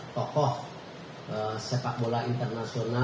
tokoh sepak bola